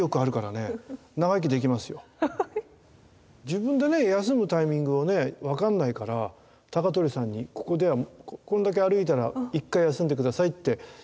自分でね休むタイミングをねわかんないから高取さんに「こんだけ歩いたら１回休んで下さい」って。